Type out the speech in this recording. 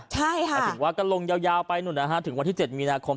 ใช่ค่ะถึงว่าก็ลงยาวไปหนึ่งนะฮะถึงวันที่เจ็ดมีนาคม